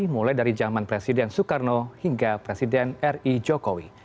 mulai dari zaman presiden soekarno hingga presiden ri jokowi